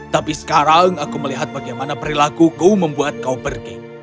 tapi sekarang aku melihat bagaimana perilakuku membuat kau pergi